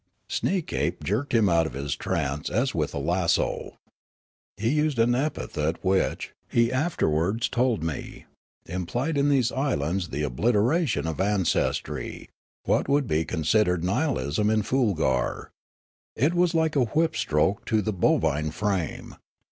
Sneekape jerked him out of his trance as with a 2 24 Riallaro lasso. He used an epithet which, he afterwards told me, implied in these islands the obliteration of ances try, what would be considered nihilism in Foolgar. It was like a whip stroke to the bovine frame.